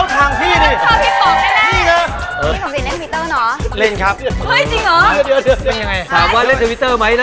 อย่างนี้เดี๋ยวเข้าทางพี่ดี